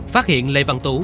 phát hiện lê văn tú